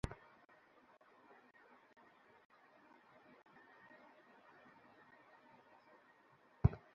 সবকিছু ব্যাব্স্থা করছিস?